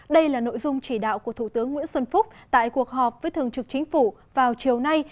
đây là nội dung chỉ đạo của thủ tướng nguyễn xuân phúc tại cuộc họp với thường trực chính phủ vào chiều nay